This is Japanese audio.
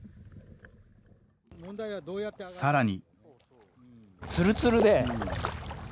さらに。